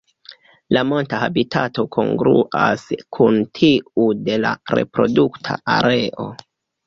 La monta habitato kongruas kun tiu de la reprodukta areo.